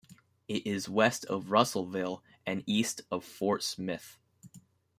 It is west of Russellville and east of Fort Smith.